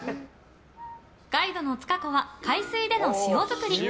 ガイドの塚子は海水での塩作り。